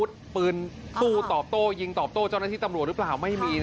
ตื่นเปะศนิยมไงเอาบูลกชน